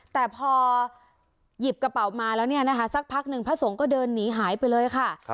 แต่พอหยิบกระเป๋ามาแล้วเนี่ยนะคะสักพักหนึ่งพระสงฆ์ก็เดินหนีหายไปเลยค่ะ